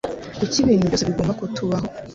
Kuki ibintu byose bigomba kutubaho?